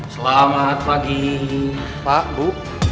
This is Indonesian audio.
selamat pagi pak bu